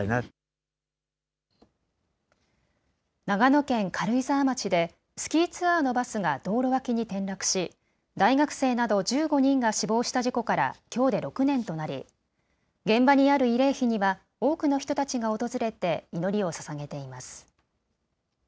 長野県軽井沢町でスキーツアーのバスが道路脇に転落し大学生など１５人が死亡した事故からきょうで６年となり現場にある慰霊碑には多くの人たちが訪れて祈りをささげています。